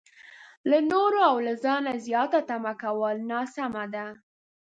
له نورو او له ځانه زياته تمه کول ناسمه ده.